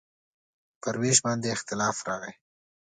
پر وېش باندې اختلاف راغی.